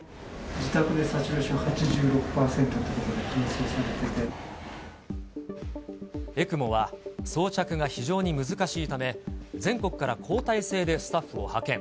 自宅でサチュレーション８６ＥＣＭＯは装着が非常に難しいため、全国から交代制でスタッフを派遣。